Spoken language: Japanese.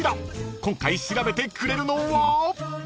［今回調べてくれるのは？］